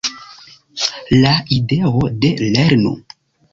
La ideo de "lernu!